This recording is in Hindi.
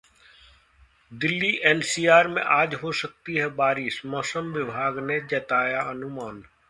दिल्ली-एनसीआर में आज हो सकती है बारिश, मौसम विभाग ने जताया अनुमान